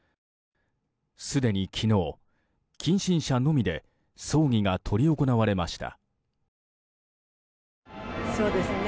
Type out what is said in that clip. すでに昨日、近親者のみで葬儀が執り行われました。